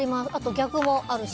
逆もあるし。